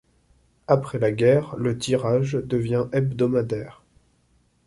Après la guerre, le tirage devient hebdomadaire.